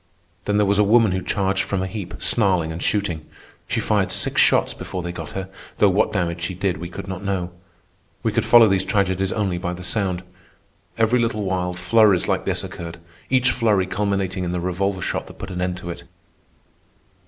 Then there was a woman who charged from a heap, snarling and shooting. She fired six shots before they got her, though what damage she did we could not know. We could follow these tragedies only by the sound. Every little while flurries like this occurred, each flurry culminating in the revolver shot that put an end to it.